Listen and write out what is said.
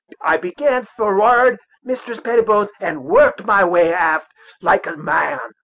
I began forrard, Mistress Prettybones, and worked my way aft, like a man.